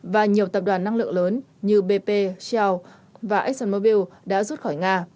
và nhiều tập đoàn năng lượng lớn như bp shell và exxonmobil đã rút khỏi nga